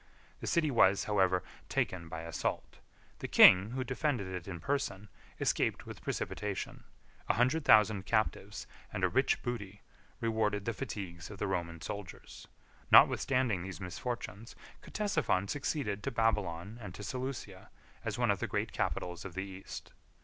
The city was, however, taken by assault; the king, who defended it in person, escaped with precipitation; a hundred thousand captives, and a rich booty, rewarded the fatigues of the Roman soldiers. 43 Notwithstanding these misfortunes, Ctesiphon succeeded to Babylon and to Seleucia, as one of the great capitals of the East.